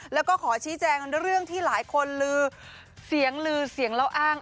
แล้วก็ขอชี้แจงเรื่องที่หลายคนลือเสียงลือเสียงเล่าอ้าง